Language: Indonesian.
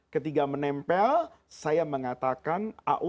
ketika menempel saya mengatakan